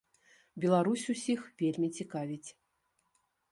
Беларусь усіх вельмі цікавіць.